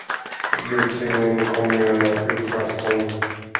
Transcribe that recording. Gud signe nykomlingarna! utbrast hon.